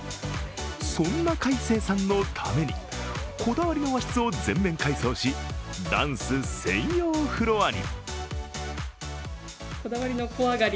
そんな快晴さんのために、こだわりの和室を全面改装し、ダンス専用フロアに。